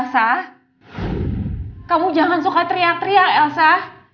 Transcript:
kamu jangan suka teriak teriak elsa